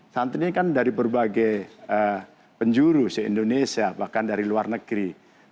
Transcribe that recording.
santri ini kan dari berbagai penjuru se indonesia bahkan dari luar negeri